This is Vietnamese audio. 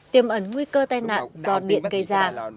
tiềm ẩn nguy cơ tai nạn do điện gây ra